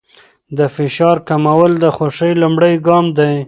د فشار کمول د خوښۍ لومړی ګام دی.